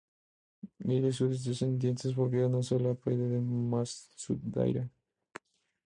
Él y sus descendientes volvieron a usar el apellido Matsudaira.